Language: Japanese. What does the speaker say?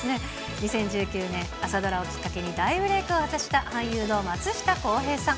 ２０１９年、朝ドラをきっかけに大ブレークを果たした俳優の松下こうへいさん。